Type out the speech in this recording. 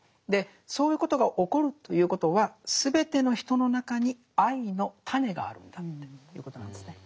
そういうことが起こるということはすべての人の中に愛の種があるんだっていうことなんですね。